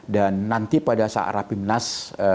nanti pada saat rapimnas